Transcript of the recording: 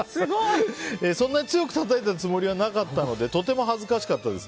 そんなに強くたたいたつもりはなかったのでとても恥ずかしかったです。